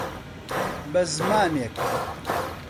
به زمانێک،